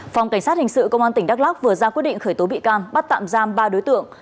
phòng cảnh sát hình sự công an tỉnh đắk lắc vừa ra quyết định khởi tố bị can bắt tạm giam ba đối tượng